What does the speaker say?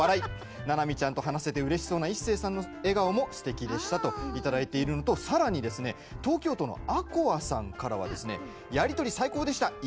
ななみちゃんと話せてうれしそうな一生さんの笑顔もすてきでしたといただいているのとさらに東京都の、あこあさんからやり取り最高でした。